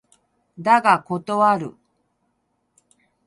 だが断る。